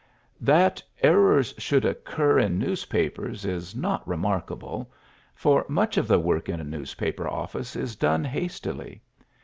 That errors should occur in newspapers is not remarkable, for much of the work in a newspaper office is done hastily.